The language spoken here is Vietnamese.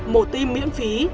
mổ tim miễn phí